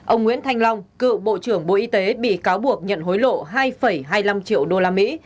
ông nguyễn thanh long cựu bộ trưởng bộ y tế bị cáo buộc nhận hối lộ hai hai mươi năm triệu đô la mỹ